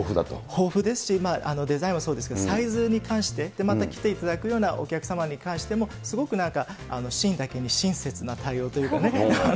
豊富ですし、デザインはそうですけど、サイズに関して、またきていただくようなお客様に関しましても、すごくなんか、シーインだけに親切な対応というかね。